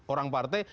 orang pak jokowi